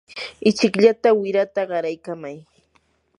ichikllata wirata qaraykamay.